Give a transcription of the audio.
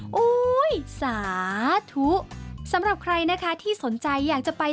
โอ้โหสาธุสำหรับใครนะคะที่สนใจอยากจะไป